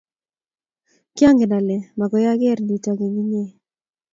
kiangen ale muku ang'er nito eng' inye